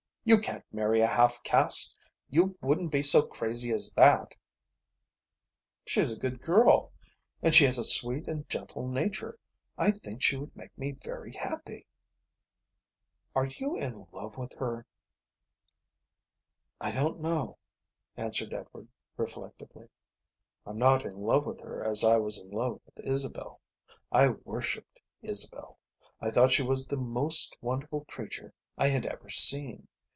"You can't marry a half caste. You wouldn't be so crazy as that." "She's a good girl, and she has a sweet and gentle nature. I think she would make me very happy." "Are you in love with her?" "I don't know," answered Edward reflectively. "I'm not in love with her as I was in love with Isabel. I worshipped Isabel. I thought she was the most wonderful creature I had ever seen.